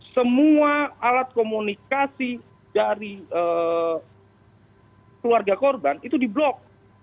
semua alat komunikasi dari keluarga korban itu diblok